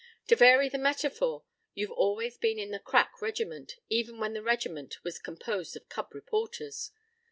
To vary the metaphor, you've always been in the crack regiment, even when the regiment was composed of cub reporters.